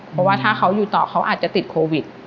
เพราะว่าถ้าเขาอยู่ต่อเขาอาจจะติดโควิด